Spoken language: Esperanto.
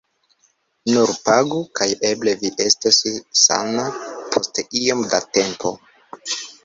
Nur pagu, kaj eble vi estos sana post iom da tempo.